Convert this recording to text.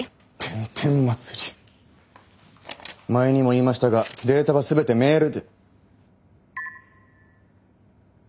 前にも言いましたがデータは全てメールで。